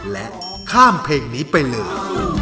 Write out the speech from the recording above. และข้ามเพลงนี้ไปเลย